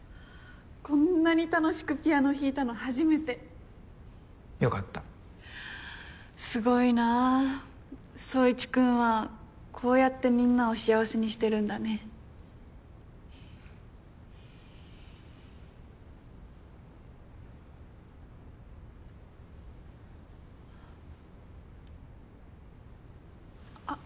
こんなに楽しくピアノ弾いたの初めてよかったすごいなあ宗一君はこうやってみんなを幸せにしてるんだねあっ